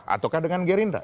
ataukah dengan gerinda